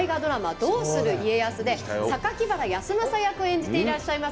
「どうする家康」で榊原康政役を演じていらっしゃいます